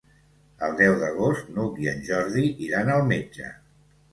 El deu d'agost n'Hug i en Jordi iran al metge.